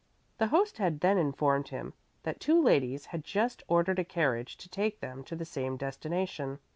The host had then informed him that two ladies had just ordered a carriage to take them to the same destination.